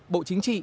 bộ chính trị